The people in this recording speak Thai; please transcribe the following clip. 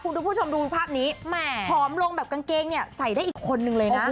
คุณผู้ชมดูภาพนี้แหมผอมลงแบบกางเกงเนี่ยใส่ได้อีกคนนึงเลยนะ